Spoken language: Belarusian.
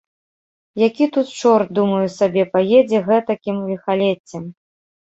Які тут чорт, думаю сабе, паедзе гэтакім ліхалеццем.